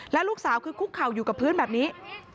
ลูกสาวคือคุกเข่าอยู่กับพื้นแบบนี้